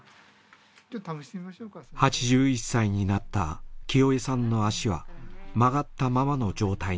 ８１歳になったキヨエさんの足は曲がったままの状態に。